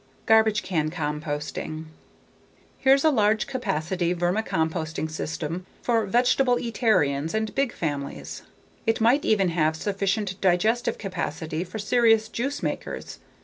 Garbage Can Composting Here's a large capacity vermicomposting system for vegetableatarians and big families. It might even have sufficient digestive capacity for serious juice makers.